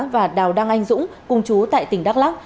và đào đăng anh dũng cùng chú tại tỉnh đắk lắc